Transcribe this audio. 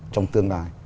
trong tương lai